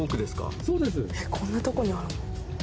えっこんなとこにあるの？